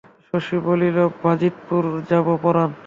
শশী বলিল, বাজিতপুর যাব পরাণ।